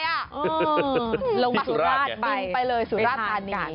อืมที่สุราชไปลงมาสุราชดึงไปเลยสุราชอันนี้